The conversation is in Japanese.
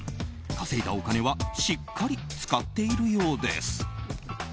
稼いだお金はしっかり使っているようです。